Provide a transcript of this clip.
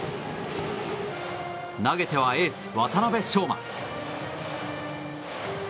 投げてはエース、渡邊翔真。